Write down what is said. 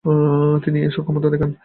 তিনি এ সক্ষমতা দেখান।